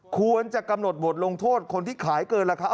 ควรจะกำหนดบทลงโทษคนที่ขายเกินราคา